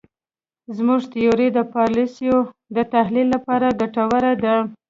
زموږ تیوري د پالیسیو د تحلیل لپاره ګټوره ده.